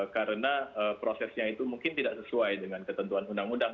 karena prosesnya itu mungkin tidak sesuai dengan ketentuan undang undang